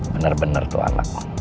bener bener tuh anakmu